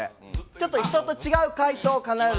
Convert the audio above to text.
ちょっと人と違う回答を必ず。